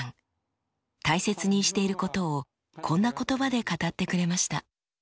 大切にしていることをこんな言葉で語ってくれました。